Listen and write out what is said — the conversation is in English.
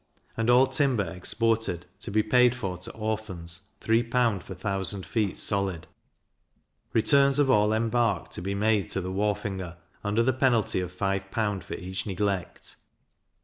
And all timber exported, to be paid for to Orphans 3L. per 1000 feet solid; returns of all embarked to be made to the wharfinger, under the penalty of 5L. for each neglect.